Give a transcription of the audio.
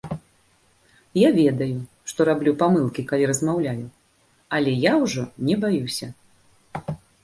Я ведаю, што раблю памылкі, калі размаўляю, але я ўжо не баюся.